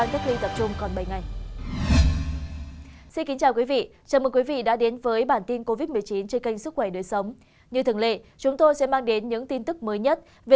hãy đăng ký kênh để ủng hộ kênh của chúng mình nhé